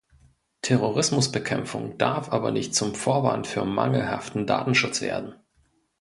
Terrorismusbekämpfung darf aber nicht zum Vorwand für mangelhaften Datenschutz werden.